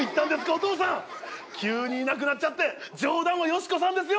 急にいなくなっちゃって冗談はよしこさんですよ！